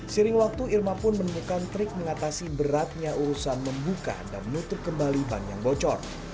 sering waktu irma pun menemukan trik mengatasi beratnya urusan membuka dan menutup kembali ban yang bocor